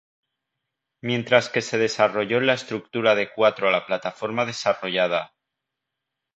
Mientras que se desarrolló en la estructura de cuatro a la plataforma desarrollada.